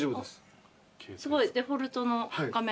すごいデフォルトの画面。